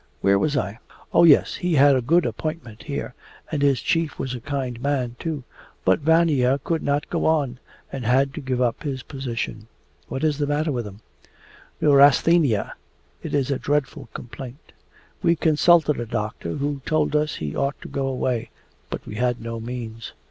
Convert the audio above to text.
'Where was I? Oh yes, he had a good appointment here, and his chief was a kind man too. But Vanya could not go on, and had to give up his position.' 'What is the matter with him?' 'Neurasthenia it is a dreadful complaint. We consulted a doctor, who told us he ought to go away, but we had no means....